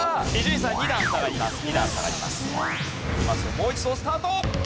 もう一度スタート！